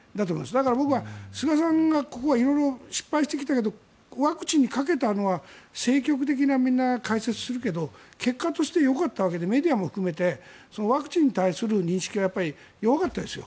だから、僕は菅さんがここは色々失敗してきたけどワクチンにかけたのは政局的な解説をするけど結果として、よかったわけでメディアも含めてワクチンに対する認識は弱かったですよ。